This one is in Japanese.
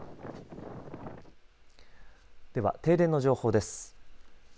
では、停電の情報です。